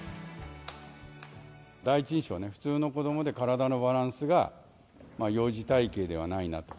第一印象は、普通の子どもで、体のバランスが幼児体形ではないなと。